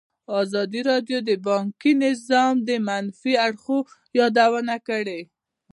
ازادي راډیو د بانکي نظام د منفي اړخونو یادونه کړې.